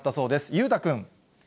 裕太君。